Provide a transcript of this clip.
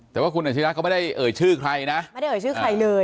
แต่ว่าคุณอาชิระเขาไม่ได้เอ่ยชื่อใครนะไม่ได้เอ่ยชื่อใครเลย